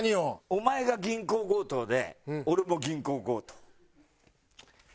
お前が銀行強盗で俺も銀行強盗。